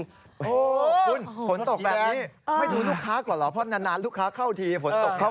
ไม่ดูลูกค้าก่อนเหรอเพราะนานลูกค้าเข้าทีฝนตก